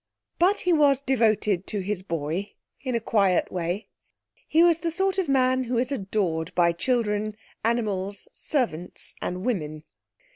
But he was devoted to his boy in a quiet way. He was the sort of man who is adored by children, animals, servants and women.